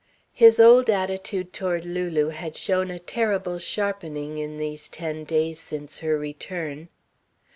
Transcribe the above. His old attitude toward Lulu had shown a terrible sharpening in these ten days since her return.